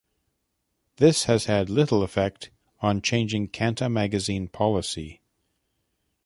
This has had little effect on changing Canta Magazine policy.